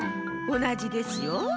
おなじですよ。